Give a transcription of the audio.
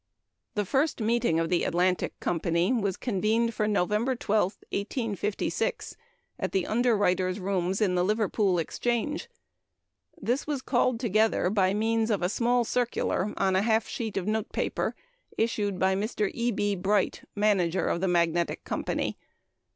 The first meeting of the "Atlantic" Company was convened for November 12, 1856, at the underwriters' rooms in the Liverpool Exchange. This was called together by means of a small circular on a half sheet of note paper, issued by Mr. E. B. Bright, manager of the "Magnetic" Company.